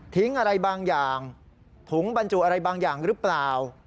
อะไรบางอย่างถุงบรรจุอะไรบางอย่างหรือเปล่า